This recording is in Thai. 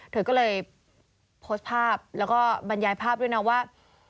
เธอก็เลยโพสต์ภาพแล้วก็บรรยายภาพด้วยนะว่า